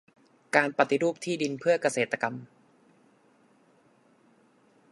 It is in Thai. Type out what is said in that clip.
การปฏิรูปที่ดินเพื่อเกษตรกรรม